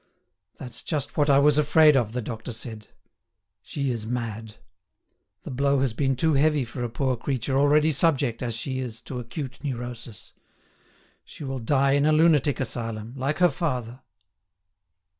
"That's just what I was afraid of," the doctor said; "she is mad. The blow has been too heavy for a poor creature already subject, as she is, to acute neurosis. She will die in a lunatic asylum like her father."